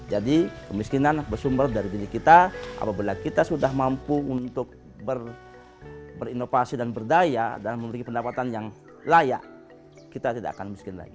jadi kemiskinan bersumber dari diri kita apabila kita sudah mampu untuk berinovasi dan berdaya dan memiliki pendapatan yang layak kita tidak akan miskin lagi